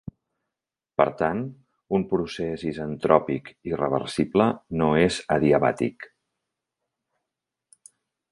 Per tant, un procés isentròpic irreversible no és adiabàtic.